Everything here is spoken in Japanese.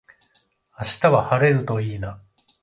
明日は晴れるといいな